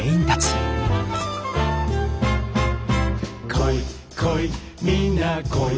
「来い来いみんな来い」